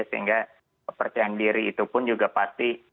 sehingga percaya diri itu pun juga pasti